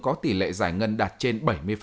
có tỷ lệ giải ngân đạt trên bảy mươi